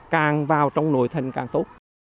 càng vào trong nội thành càng tốt